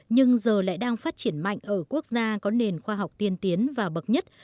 nhưng giờ lại đang phát triển mạnh ở quốc gia có nền khoa học tiên tiến và bậc nhất